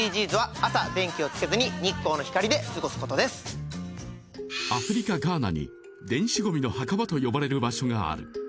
私のＳＤＧｓはアフリカガーナに電子ゴミの墓場と呼ばれる場所がある